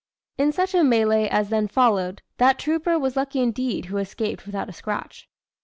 In such a mêlée as then followed, that trooper was lucky indeed who escaped without a scratch.